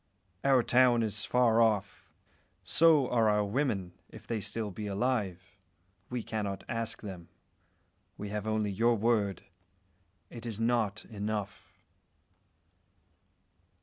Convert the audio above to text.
Our town is far off; so are our women, if they be still alive. We cannot ask them. We have only your word. It is not enough."